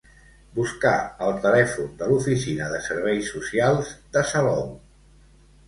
Buscar el telèfon de l'oficina de serveis socials de Salou.